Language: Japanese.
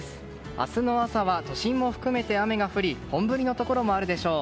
明日の朝は都心も含めて雨が降り本降りのところもあるでしょう。